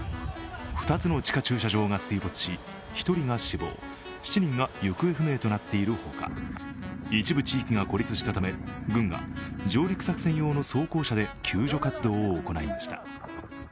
２つの地下駐車場が水没し、１人が死亡、７人が行方不明となっているほか一部地域が孤立したため軍が上陸作戦用の装甲車で救助活動を行いました。